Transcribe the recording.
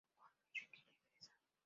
Cuando Rick regresa.